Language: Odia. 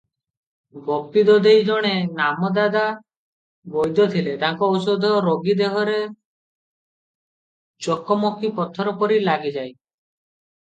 ଗୋପୀର ଦଦେଇ ଜଣେ ନାମଜାଦା ବୈଦ୍ୟ ଥିଲେ, ତାଙ୍କ ଔଷଧ ରୋଗୀ ଦେହରେ ଚକମକି ପଥରପରି ଲାଗିଯାଏ ।